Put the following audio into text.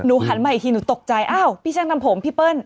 หันมาอีกทีหนูตกใจอ้าวพี่ช่างทำผมพี่เปิ้ล